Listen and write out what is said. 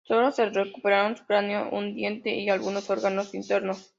Sólo se recuperaron su cráneo, un diente y algunos órganos internos.